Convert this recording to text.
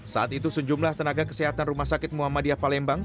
saat itu sejumlah tenaga kesehatan rumah sakit muhammadiyah palembang